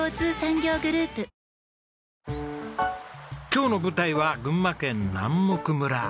今日の舞台は群馬県南牧村。